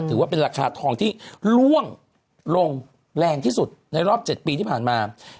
ถือว่าเป็นราคาทองที่ล่วงลงแรงที่สุดในรอบ๗ปีที่ผ่านมา